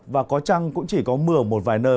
và có trăng cũng chỉ có mưa một vài nơi